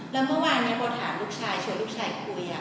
แล้วเมื่อวานโปแถมลูกชายช่วยลูกชายคุย